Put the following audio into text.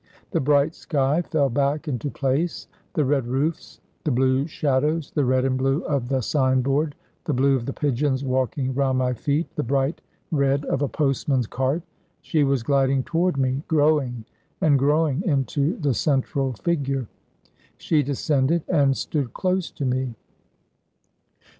The bright sky fell back into place, the red roofs, the blue shadows, the red and blue of the sign board, the blue of the pigeons walking round my feet, the bright red of a postman's cart. She was gliding toward me, growing and growing into the central figure. She descended and stood close to me.